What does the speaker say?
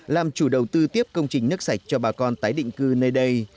làm chủ đầu tư tiếp công trình nước sạch cho bà con tái định cư nơi đây